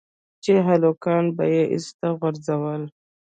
چې هلکانو به ايسته غورځول.